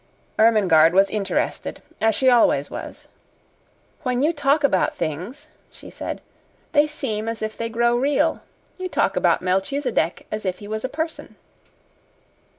Ermengarde was interested, as she always was. "When you talk about things," she said, "they seem as if they grew real. You talk about Melchisedec as if he was a person."